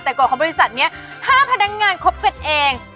แต่ก่อนของบริษัทนี้ห้ามพนักงานคบกันเอง